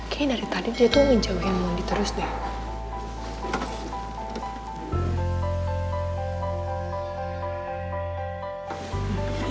kayaknya dari tadi dia tuh menjauhin mandi terus deh